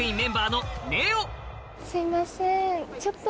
すいません。